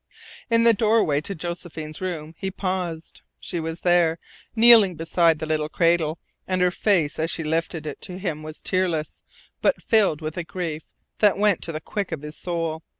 In the doorway to Josephine's room he paused. She was there, kneeling beside the little cradle, and her face as she lifted it to him was tearless, but filled with a grief that went to the quick of his soul.